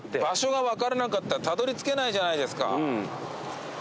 場所が分からなかったらたどりつけないじゃないですか。